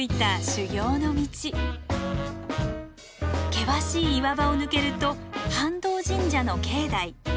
険しい岩場を抜けると飯道神社の境内。